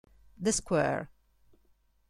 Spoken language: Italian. The Square